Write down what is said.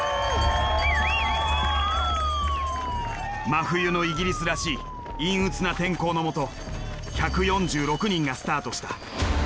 真冬のイギリスらしい陰鬱な天候のもと１４６人がスタートした。